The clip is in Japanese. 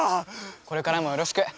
これからもよろしく。